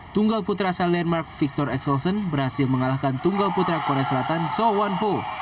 tunggal putra asal denmark victor exelsen berhasil mengalahkan tunggal putra korea selatan so wan poo